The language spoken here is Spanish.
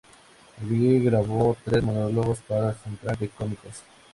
Allí grabó tres monólogos para Central de Cómicos.